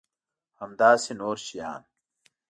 همداسې نور شیان.